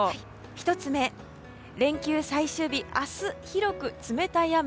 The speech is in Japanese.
１つ目、連休最終日明日、広く冷たい雨。